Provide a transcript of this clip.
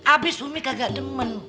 abis umi kagak demen